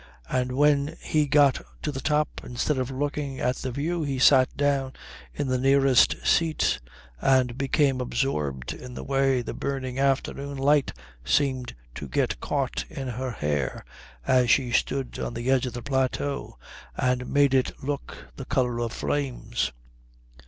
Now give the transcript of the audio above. And when he got to the top, instead of looking at the view he sat down in the nearest seat and became absorbed in the way the burning afternoon light seemed to get caught in her hair as she stood on the edge of the plateau, and made it look the colour of flames.